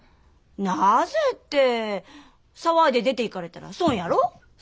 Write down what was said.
なぜって騒いで出ていかれたら損やろ？